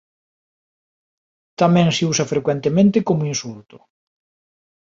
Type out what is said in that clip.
Tamén se usa frecuentemente como insulto.